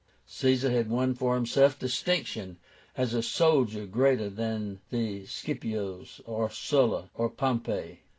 Caesar had won for himself distinction as a soldier greater than the Scipios, or Sulla, or Pompey.